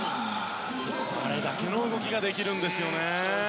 あれだけの動きができるんですよね。